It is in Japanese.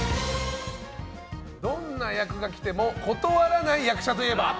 どんな役が来ても断らない役者といえば？